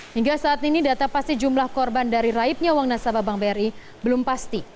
hingga saat ini data pasti jumlah korban dari raibnya uang nasabah bank bri belum pasti